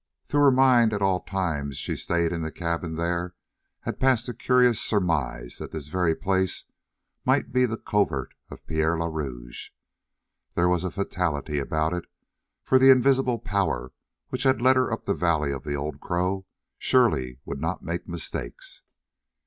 Through her mind all the time that she stayed in the cabin there had passed a curious surmise that this very place might be the covert of Pierre le Rouge. There was a fatality about it, for the invisible Power which had led her up the valley of the Old Crow surely would not make mistakes.